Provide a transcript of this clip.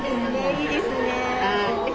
いいですね。